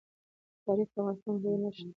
تاریخ د افغانستان د ملي هویت نښه ده.